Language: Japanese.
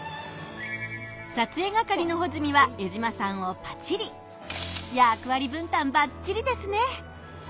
撮影係のホズミは江島さんをパチリ！役割分担バッチリですね！